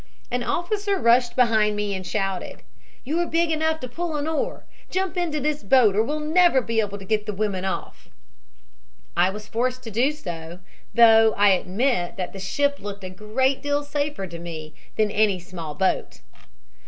An officer rushed behind me and shouted: "'You're big enough to pull an oar. Jump into this boat or we'll never be able to get the women off.' I was forced to do so, though I admit that the ship looked a great deal safer to me than any small boat.